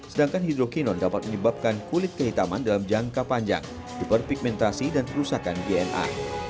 sedangkan hidrokinon dapat menyebabkan kulit kehitaman dalam jangka panjang hiperpigmentasi dan kerusakan dna